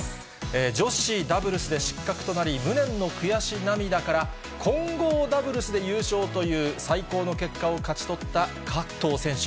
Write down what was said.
女子ダブルスで失格となり、無念の悔し涙から、混合ダブルスで優勝という、最高の結果を勝ち取った加藤選手。